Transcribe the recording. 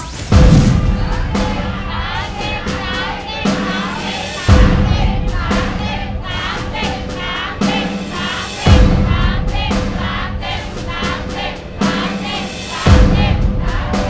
สามสิบ